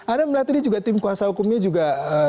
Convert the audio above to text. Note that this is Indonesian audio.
anda melihat ini juga tim kuasa hukumnya juga